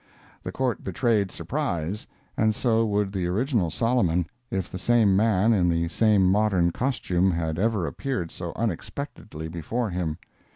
The Court betrayed surprise; and so would the original Solomon, if the same man, in the same modern costume, had ever appeared so unexpectedly before him.